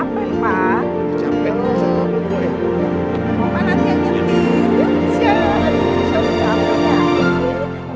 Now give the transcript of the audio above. mau kan nanti angin tidur